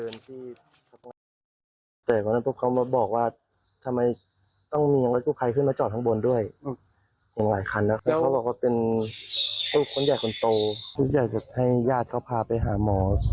อยากให้ญาติเขาพาไปที่หมอพบเพศ